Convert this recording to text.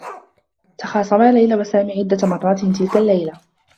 تخاصما ليلى و سامي عدّة مرّات تلك اللّيلة.